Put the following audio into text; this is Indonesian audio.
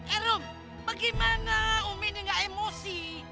eh rom bagaimana umi ini ga emosi